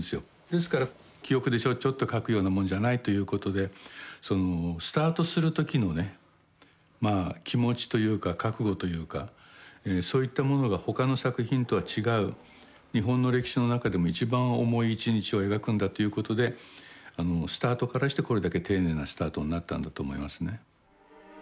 ですから記憶でちょっちょっと書くようなもんじゃないということでそのスタートする時のねまあ気持ちというか覚悟というかそういったものが他の作品とは違う日本の歴史の中でも一番重い一日を描くんだということでスタートからしてこれだけ丁寧なスタートになったんだと思いますね。